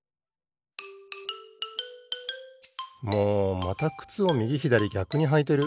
もうまたくつをみぎひだりぎゃくにはいてる！